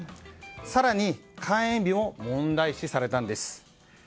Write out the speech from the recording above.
更に、開園日も問題視されたんです。